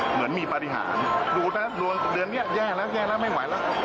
เหมือนมีปฏิหารดูนะเดือนนี้แย่แล้วไม่ไหวแล้ว